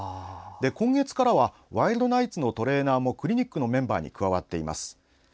今月からはワイルドナイツのトレーナーもクリニックに加わっています。